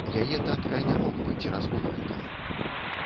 Яе татка не мог быць разбойнікам.